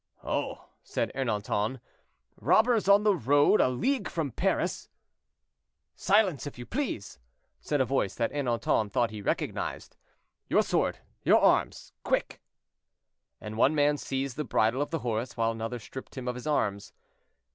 "Oh!" said Ernanton, "robbers on the road, a league from Paris—" "Silence, if you please," said a voice that Ernanton thought he recognized. "Your sword, your arms; quick." And one man seized the bridle of the horse, while another stripped him of his arms.